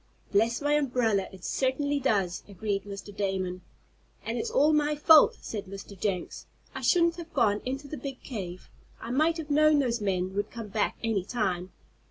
"Bless my umbrella, it certainly does," agreed Mr. Damon. "And it's all my fault," said Mr. Jenks. "I shouldn't have gone into the big cave. I might have known those men would come back any time."